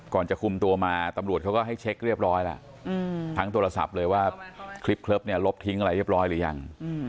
จะคุมตัวมาตำรวจเขาก็ให้เช็คเรียบร้อยแล้วทั้งโทรศัพท์เลยว่าคลิปเลิฟเนี่ยลบทิ้งอะไรเรียบร้อยหรือยัง